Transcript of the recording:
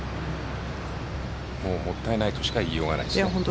もったいないとしか言いようがないです。